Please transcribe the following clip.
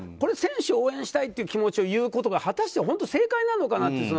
選手を応援したいという気持ちを言うことが果たして正解なのかなって。